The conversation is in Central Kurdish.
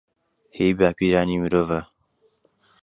هی باپیرانی مرۆڤە